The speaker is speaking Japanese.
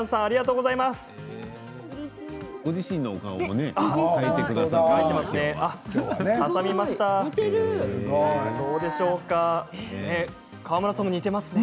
ご自身のお顔も描いてくださっていますね。